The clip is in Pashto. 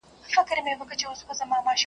عبدالباري جهاني: څرنګه شعر ولیکو؟ .